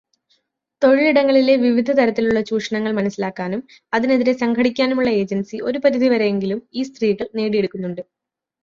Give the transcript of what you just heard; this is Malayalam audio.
തൊഴിലിടങ്ങളിലെ വിവിധതരത്തിലുള്ള ചൂഷണങ്ങൾ മനസ്സിലാക്കാനും അതിനെതിരെ സംഘടിക്കാനുമുള്ള 'ഏജൻസി' ഒരുപരിധി വരെയെങ്കിലും ഈ സ്ത്രീകൾ നേടിയെടുക്കുന്നുണ്ട്.